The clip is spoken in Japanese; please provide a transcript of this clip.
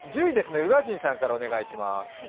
１０位は宇賀神さんからお願いします。